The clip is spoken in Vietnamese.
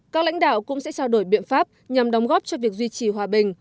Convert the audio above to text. các lãnh đạo cũng sẽ trao đổi biện pháp nhằm đóng góp cho việc duy trì hòa bình